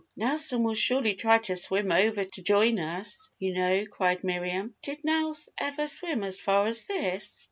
Nelson will surely try to swim over to join us, you know!" cried Miriam. "Did Nelse ever swim as far as this?"